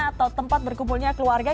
atau tempat berkumpulnya keluarga